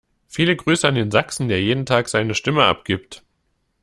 Viele Grüße an den Sachsen, der jeden Tag seine Stimme abgibt!